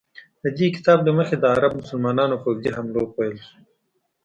د دې کتاب له مخې د عرب مسلمانانو پوځي حملو پیل شو.